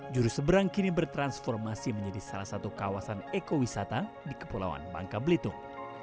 jurusebrang kini bertransformasi menjadi salah satu kawasan eco wisata di kepulauan bangka belitung